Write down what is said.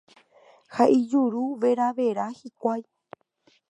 ha ijuruveravera hikuái.